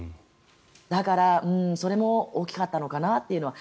だから、それも大きかったのかなというのは。